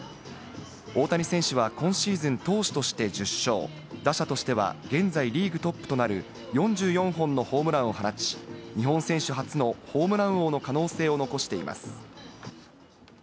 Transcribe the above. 大谷選手は今シーズン投手として１０勝、打者としては現在リーグトップとなる４４本のホームランを放ち、日本選手初のホームラン王の可能性を残しています。